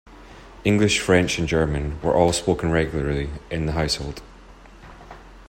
English, French and German were all spoken regularly in the household.